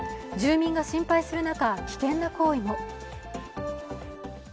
住民が心配する中、危険な行為も。